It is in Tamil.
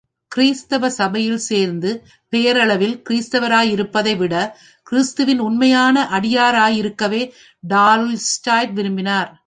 கிறிஸ்தவ சபையில் சேர்ந்து பெயரளவில் கிறிஸ்தவராகயிருப்பதைவிட, கிறிஸ்துவின் உண்மையான அடியாராயிருக்கவே டால்ஸ்டாய் விரும்பினார்.